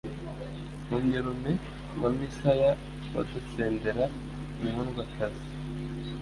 Nkomyurume wa Misaya Wadusendera inkundwakazi,